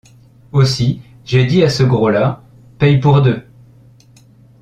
Aussi j’ai dit à ce gros-là: — Paye pour deux!